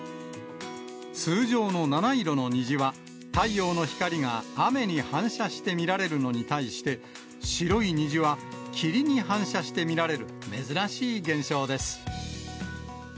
通常の七色の虹は、太陽の光が雨に反射して見られるのに対して、白い虹は、霧に反射して見られる珍しい現象です。